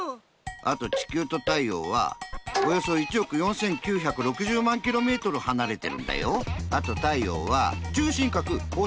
あとちきゅうと太陽はおよそ１億４９６０万ｋｍはなれてるんだよ。